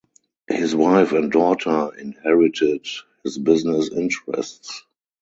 His wife and daughter inherited his business interests.